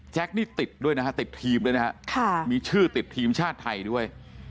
แจ็คนี่ติดด้วยนะมีชื่อติดทีมชาติไทยด้วย